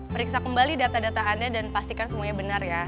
periksa kembali data data anda dan pastikan semuanya benar ya